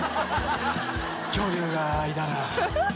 恐竜がいたら。